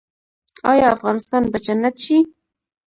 آیا افغانستان به جنت شي؟